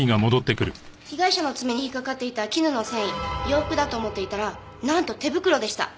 被害者の爪に引っかかっていた絹の繊維洋服だと思っていたらなんと手袋でした。